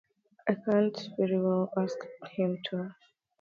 I can't very well ask him to.